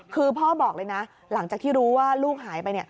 คือพ่อบอกเลยนะหลังจากที่รู้ว่าลูกหายไป